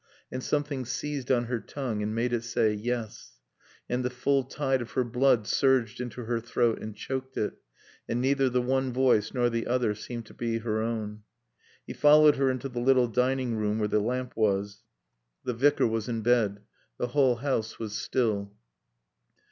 And something seized on her tongue and made it say "Yes," and the full tide of her blood surged into her throat and choked it, and neither the one voice nor the other seemed to be her own. He followed her into the little dining room where the lamp was. The Vicar was in bed. The whole house was still.